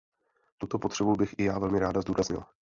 Tuto potřebu bych i já velmi ráda zdůraznila.